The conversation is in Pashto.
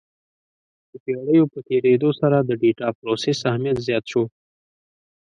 د پېړیو په تېرېدو سره د ډیټا پروسس اهمیت زیات شو.